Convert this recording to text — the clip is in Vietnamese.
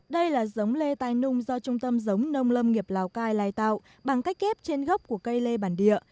đây là giống lê tai nung do trung tâm giống nông lâm nghiệp lào cai lai tạo bằng cách kép trên gốc của cây lê bản địa